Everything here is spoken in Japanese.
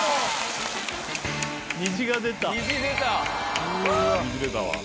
虹が出た。